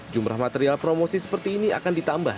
jumlah material promosi seperti ini akan ditambah